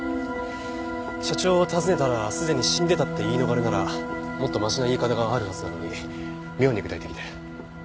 社長を訪ねたらすでに死んでたって言い逃れならもっとマシな言い方があるはずなのに妙に具体的で。